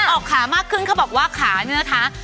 ออกขามากขึ้นเขาบอกว่าขาเนี่ยนะคะ